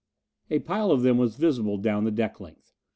A pile of them was visible down the deck length.